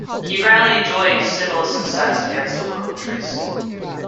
He rarely enjoyed similar success against other countries.